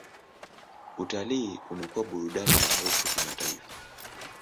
Utalii umekuwa burudani maarufu kimataifa.